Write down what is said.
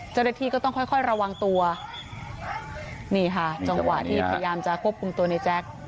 เจ้าหน้าที่ก็ต้องค่อยค่อยระวังตัวนี่ค่ะจังหวะที่พยายามจะควบคุมตัวในแจ๊ค